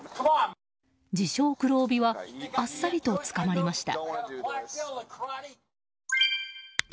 自称黒帯はあっさりと捕まりました。